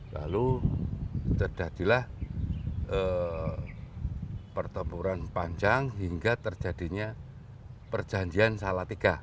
lalu terjadilah pertempuran panjang hingga terjadinya perjanjian salatiga